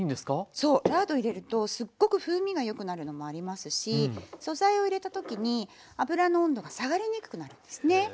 そうラード入れるとすっごく風味がよくなるのもありますし素材を入れた時に油の温度が下がりにくくなるんですね。